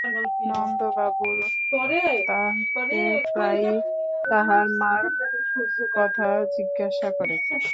নন্দবাবু তাহকে প্রায়ই তাহার মার কথা জিজ্ঞাসা করে।